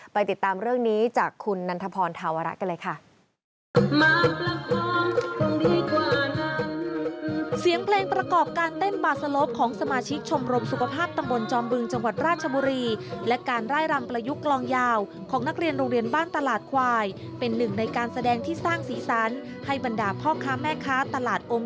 ไปติดตามเรื่องนี้จากคุณนันทพรธาวระกันเลยค่ะ